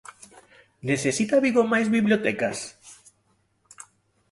Necesita Vigo máis bibliotecas?